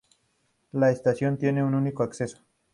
La estación tiene un único acceso.